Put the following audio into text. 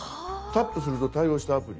「タップすると対応したアプリ」。